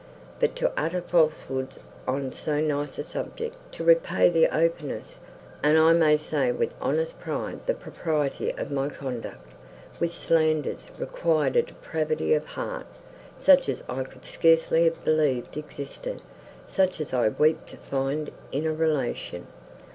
But, to utter falsehoods on so nice a subject—to repay the openness, and, I may say with honest pride, the propriety of my conduct, with slanders—required a depravity of heart, such as I could scarcely have believed existed, such as I weep to find in a relation.